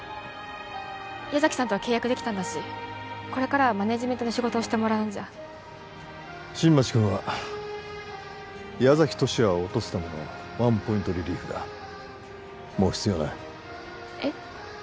矢崎さんとは契約できたんだしこれからはマネジメントの仕事をしてもらうんじゃ新町くんは矢崎十志也を落とすためのワンポイントリリーフだもう必要ないえっ？